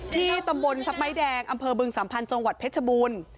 ที่ตำบลสักไม้แดงอำเภอบึงสัมพันธ์จังหวัดเพชรบูรณ์